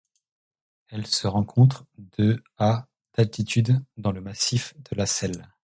Elle se rencontre de à d'altitude dans le Massif de la Selle.